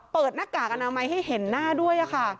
เปิดหน้ากากอนามัยให้เห็นหน้าด้วย